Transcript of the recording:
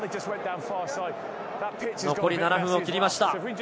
残り７分を切りました。